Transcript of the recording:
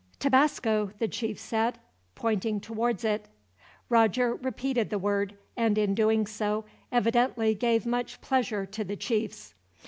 "Tabasco," the chief said, pointing towards it. Roger repeated the word, and in doing so evidently gave much pleasure to the chiefs.